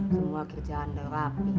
semua kerjaan udah rapi